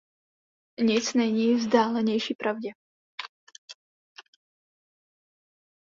Nic není vzdálenější pravdě.